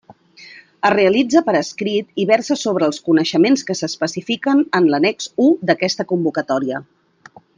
Es realitza per escrit i versa sobre els coneixements que s'especifiquen en l'annex u d'aquesta convocatòria.